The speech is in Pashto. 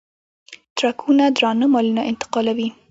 ټرکونه درانه مالونه انتقالوي.